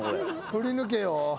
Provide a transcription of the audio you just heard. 振り抜けよ。